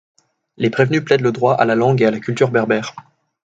Les prévenus plaident le droit à la langue et à la culture berbère.